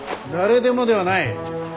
誰でもではない。